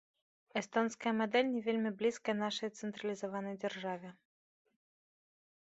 Эстонская мадэль не вельмі блізкая нашай цэнтралізаванай дзяржаве.